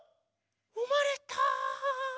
うまれた！